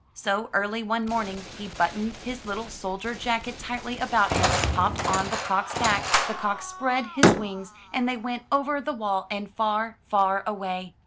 So early one morning he buttoned his little soldier jacket tightly about him, hopped on the cock's back, the cock spread his wings, and they went over the wall and far, far away.